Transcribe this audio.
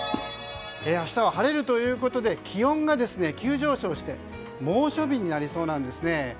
明日は晴れるということで気温が急上昇して猛暑日になりそうなんです。